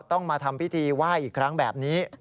ต้องมาทำพิธีไหว้อีกครั้งแบบนี้